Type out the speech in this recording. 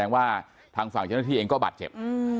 ว่าทางฝั่งเจ้าหน้าที่เองก็บาดเจ็บ